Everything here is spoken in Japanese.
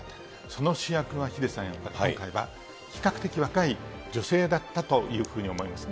その主役はヒデさん、やっぱり今回は、比較的若い女性だったというふうに思います。